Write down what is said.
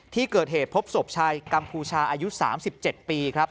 ที่เกิดเหตุพบศพชายกัมพูชาอายุ๓๗ปีครับ